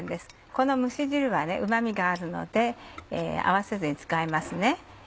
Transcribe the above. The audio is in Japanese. この蒸し汁はうま味があるので合わせずに使います。